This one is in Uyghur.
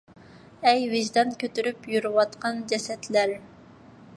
ئەي ۋىجدان كۆتۈرۈپ يۈرۈۋاتقان جەسەتلەر!!!